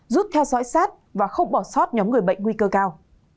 giúp theo dõi sát và không bỏ sót nhóm người bệnh nguy cơ cao